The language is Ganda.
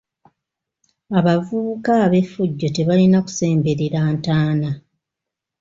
Abavubuka ab’effujjo tebalina kusemberera ntaana.